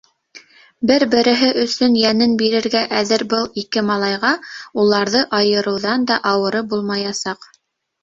Бер-береһе өсөн йәнен бирергә әҙер был ике малайға уларҙы айырыуҙан да ауыры булмаясаҡ.